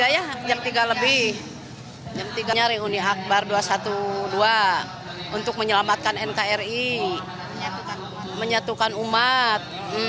ya jam tiga lebih jam tiga reuni akbar dua ratus dua belas untuk menyelamatkan nkri menyatukan umat